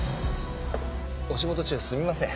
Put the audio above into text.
お仕事中すみません。